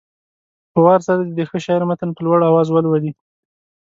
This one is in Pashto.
په وار سره دې د ښه شاعر متن په لوړ اواز ولولي.